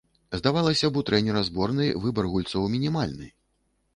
Здавалася б, у трэнера зборнай выбар гульцоў мінімальны.